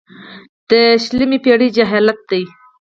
د شلمې پېړۍ جاهلیت ده.